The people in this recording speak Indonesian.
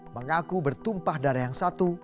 mengaku bertumpah darah yang satu